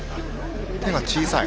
手が小さい。